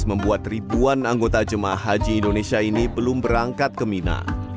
membuat ribuan anggota jemaah haji indonesia ini belum berangkat ke mina